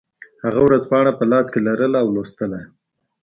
هغه ورځپاڼه په لاس کې لرله او لوستله یې